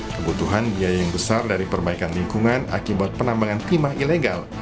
kebutuhan biaya yang besar dari perbaikan lingkungan akibat penambangan timah ilegal